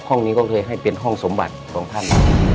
ห้องนี้ก็เคยให้เป็นห้องสมบัติของท่าน